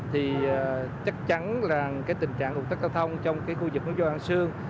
thì chắc chắn là tình trạng ủng tác giao thông trong khu vực nút an sương